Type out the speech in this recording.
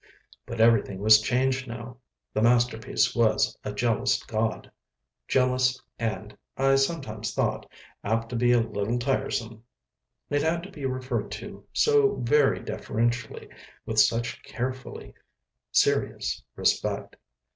But everything was changed now. The masterpiece was a jealous god. Jealous and, I sometimes thought, apt to be a little tiresome. It had to be referred to so very deferentially, with such carefully serious respect.